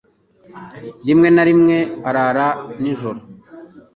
Rimwe na rimwe arara nijoro